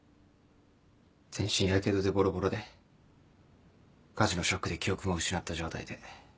全身ヤケドでボロボロで火事のショックで記憶も失った状態で。